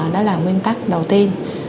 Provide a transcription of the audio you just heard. đó là nguyên tắc đầu tiên